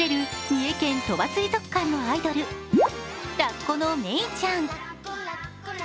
三重県鳥羽水族館のアイドル、ラッコのメイちゃん。